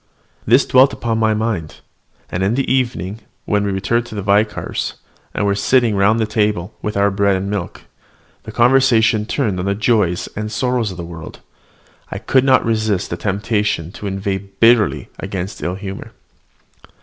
This thought dwelt upon my mind; and in the evening, when we returned to the vicar's, and were sitting round the table with our bread end milk, the conversation turned on the joys and sorrows of the world, I could not resist the temptation to inveigh bitterly against ill humour.